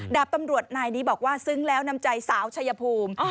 ดาบตำรวจนายนี้บอกว่าซึ้งแล้วน้ำใจสาวชายภูมิ